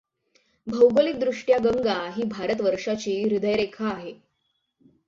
भौगोलिकदृष्ट्या गंगा ही भारतवर्षाची हृदयरेखा आहे!